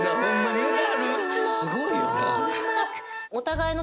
すごいよな！